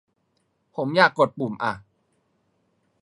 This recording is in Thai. ผมอยากกดปุ่มอ่ะ